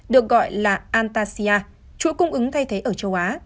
được gọi là antasia chuỗi cung ứng thay thế ở châu á